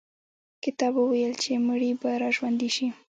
کتاب وویل چې مړي به را ژوندي شي.